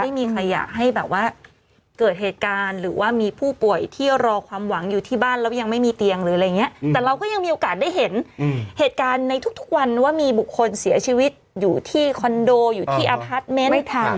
ไม่มีใครอยากให้แบบว่าเกิดเหตุการณ์หรือว่ามีผู้ป่วยที่รอความหวังอยู่ที่บ้านแล้วยังไม่มีเตียงหรืออะไรอย่างเงี้ยแต่เราก็ยังมีโอกาสได้เห็นเหตุการณ์ในทุกวันว่ามีบุคคลเสียชีวิตอยู่ที่คอนโดอยู่ที่อพาร์ทเมนต์ไม่ทัน